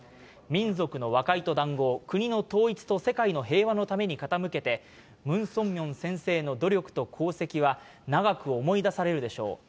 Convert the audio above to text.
民族の和解と談合、国の統一と世界の平和のために傾けて、ムン・ソンミョン先生の努力と功績は長く思い出されるでしょう。